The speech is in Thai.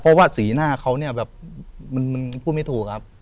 เพราะว่าสีหน้าเขาเนี่ยแบบมันพูดไม่ถูกครับ